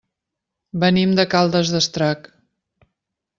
Venim de Caldes d'Estrac.